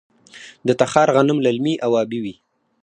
د تخار غنم للمي او ابي وي.